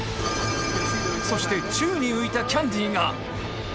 そして宙に浮いたキャンディーが。